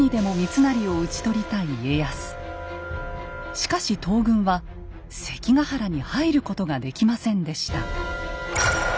しかし東軍は関ヶ原に入ることができませんでした。